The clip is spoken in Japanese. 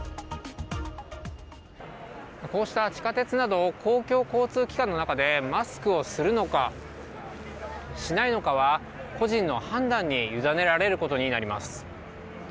こうした地下鉄など、公共交通機関の中でマスクをするのか、しないのかは、個人の判断に委ねられることになります。